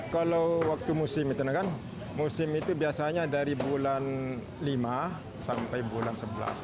kalau waktu musim itu biasanya dari bulan lima sampai bulan sepuluh